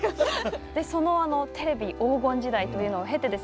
でそのテレビ黄金時代というのを経てですね